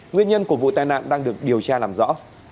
nguyên nhân của vụ tai nạn đang được điều tra làm rõ